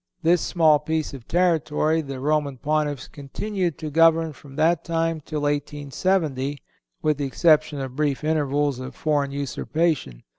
This small piece of territory the Roman Pontiffs continued to govern from that time till 1870, with the exception of brief intervals of foreign usurpation.